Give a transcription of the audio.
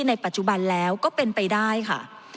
ในปัจจุบันแล้วก็เป็นไปได้ค่ะ